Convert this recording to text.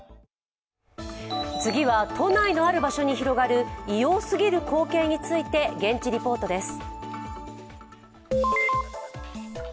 次は、都内のある場所に広がる異様すぎる光景について、現地リポートです。